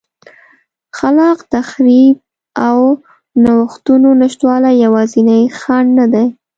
خلاق تخریب او نوښتونو نشتوالی یوازینی خنډ نه دی